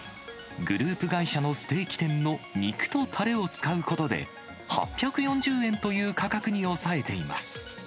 グループ会社のステーキ店の肉とたれを使うことで、８４０円という価格に抑えています。